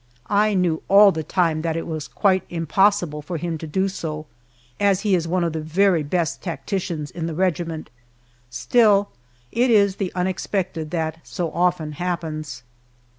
I knew all the time that it was quite impossible for him to do so, as he is one of the very best tacticians in the regiment still, it is the unexpected that so often happens.